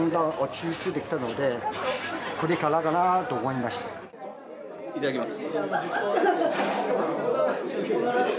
いただきます。